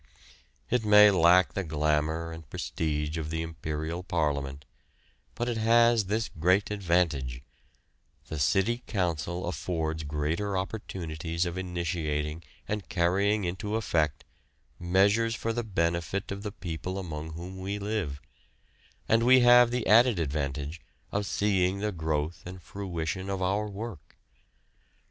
It may lack the glamour and prestige of the Imperial Parliament, but it has this great advantage: the City Council affords greater opportunities of initiating and carrying into effect measures for the benefit of the people among whom we live, and we have the added advantage of seeing the growth and fruition of our work.